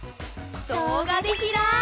動画でひらく！